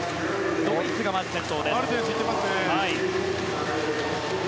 ドイツが先頭です。